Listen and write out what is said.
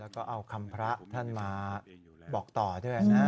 แล้วก็เอาคำพระท่านมาบอกต่อด้วยนะ